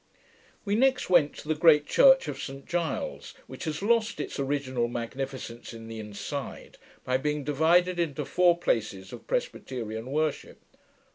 We next went to the great church of St Giles, which has lost its original magnificence in the inside, by being divided into four places of Presbyterian worship.